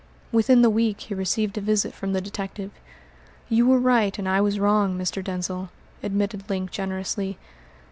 Within the week he received a visit from the detective. "You were right and I was wrong, Mr. Denzil," admitted Link generously.